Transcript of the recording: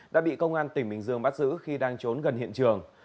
đã bị công an tỉnh bình dương bắt giữ khi đang trốn gần hiện trường